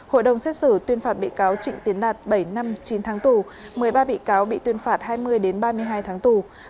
hội đồng xét xử tuyên phạt bị cáo trịnh tiến đạt bảy năm chín tháng tù một mươi ba bị cáo bị tuyên phạt hai mươi ba mươi hai tháng tù